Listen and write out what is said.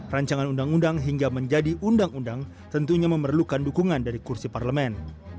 rancangan undang undang hingga menjadi undang undang tentunya memerlukan dukungan dari kursi parlemen